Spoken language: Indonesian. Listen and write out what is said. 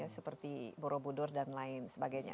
seperti borobudur dan lain sebagainya